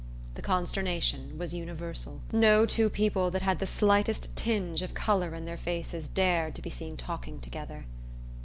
The consternation was universal. No two people that had the slightest tinge of color in their faces dared to be seen talking together.